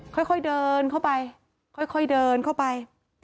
ค่อยเดินเข้าไปค่อยเดินเข้าไป